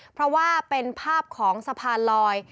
เพราะว่าเป็นภาพของสะพานลอย